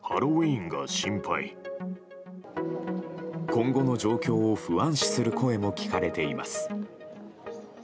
今後の状況を不安視する声も聞かれています。